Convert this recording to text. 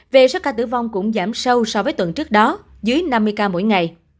về số ca tử vong cũng giảm sâu so với tuần trước đó dưới năm mươi ca mỗi ngày